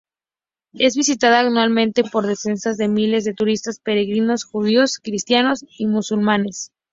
Es visitada anualmente por decenas de miles de turistas, peregrinos judíos, cristianos y musulmanes.